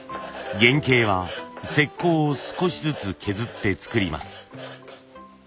原型は石こうを少しずつ削って作ります。